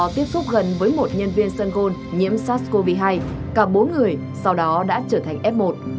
tiếp xúc gần với một nhân viên sân gôn nhiễm sars cov hai cả bốn người sau đó đã trở thành f một